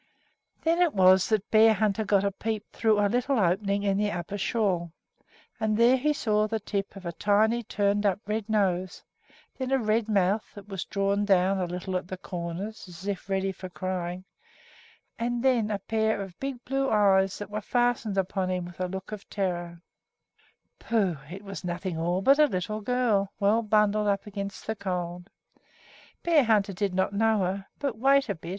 Then it was that Bearhunter got a peep through a little opening in the upper shawl; and there he saw the tip of a tiny, turned up red nose, then a red mouth that was drawn down a little at the corners as if ready for crying, and then a pair of big blue eyes that were fastened upon him with a look of terror. [Illustration: HOEL FARM] Pooh! it was nothing, after all, but a little girl, well bundled up against the cold. Bearhunter did not know her but wait a bit!